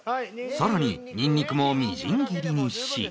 更にニンニクもみじん切りにし